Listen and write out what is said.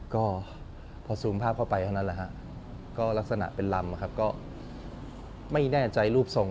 ก็พอซูมภาพเข้าไปเท่านั้นแหละฮะก็ลักษณะเป็นลำนะครับก็ไม่แน่ใจรูปทรง